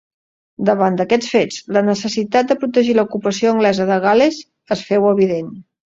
Davant d'aquests fets, la necessitat de protegir l'ocupació anglesa de Gal·les es féu evident.